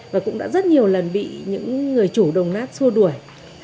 và cũng đã rất nhiều lần bị những người chủ đồng nát xua đuổi